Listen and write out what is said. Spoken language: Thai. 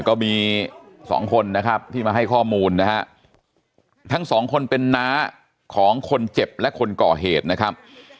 ก็มีสองคนนะครับที่มาให้ข้อมูลนะฮะทั้งสองคนเป็นน้าของคนเจ็บและคนก่อเหตุนะครับ